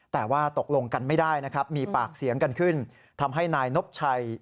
แต่ว่าตกลงกันไม่ได้นะครับมีปากเสียงกันขึ้นทำให้นายนบชัย